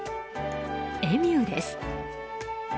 エミューです。